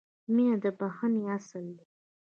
• مینه د بښنې اصل دی.